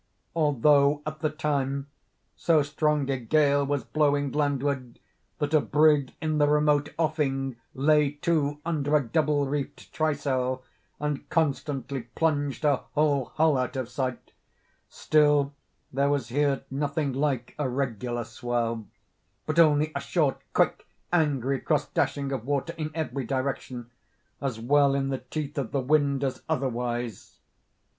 Although, at the time, so strong a gale was blowing landward that a brig in the remote offing lay to under a double reefed trysail, and constantly plunged her whole hull out of sight, still there was here nothing like a regular swell, but only a short, quick, angry cross dashing of water in every direction—as well in the teeth of the wind as otherwise.